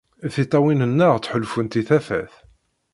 Tiṭṭawin-nneɣ ttḥulfunt i tafat.